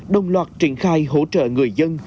đồng loạt triển khai hỗ trợ người dân